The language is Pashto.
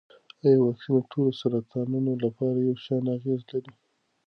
ایا واکسین د ټولو سرطانونو لپاره یو شان اغېز لري؟